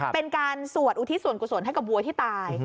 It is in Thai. เป็นการสวดอุทิศส่วนกุศลให้กับวัวที่ตาย